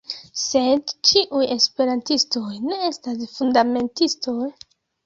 Sed ĉiuj Esperantistoj ne estas fundamentistoj?